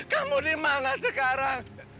kamu di mana sekarang